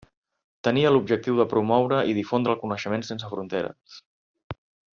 Tenia l'objectiu de promoure i difondre el coneixement sense fronteres.